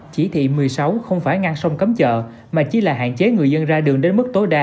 chỉ thị một mươi sáu không phải ngăn sông cấm chợ mà chỉ là hạn chế người dân ra đường đến mức tối đa